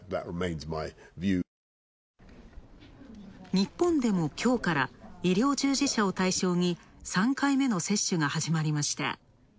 日本でもきょうから医療従事者を対象に３回目の接種が始まりました。